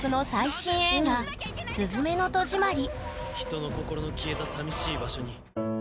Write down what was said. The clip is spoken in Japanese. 知られる人の心の消えたさみしい場所に。